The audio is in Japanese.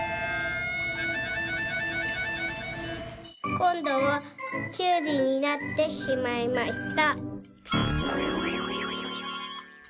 「こんどはキュウリになってしまいました」。